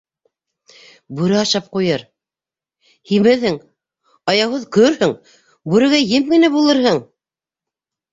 Бүре ашап ҡуйыр... һимеҙһең, аяуһыҙ көрһөң, бүрегә ем генә булырһың...